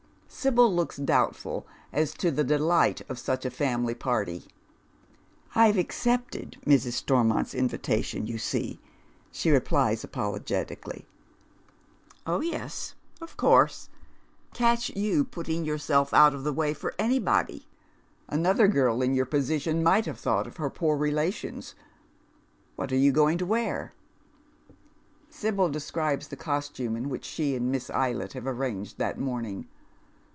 Sibyl looks doubtful as to the delight of such a family party. " I've accepted Mrs. Stormont's invitation, you see," she replies, apologetically. " Oil yes, of course, catch you putting yourself out of the way for anybody ! Another ,e:irl in your position might havetliought of her poor relations. What are you going to wear V" Sibyl describes the costume which she and Miss Eylett have an"anged that morning.